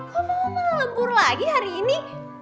kok mama malah lembur lagi hari ini